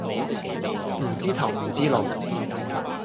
唔知頭唔知路